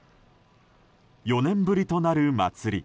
４年ぶりとなる祭り。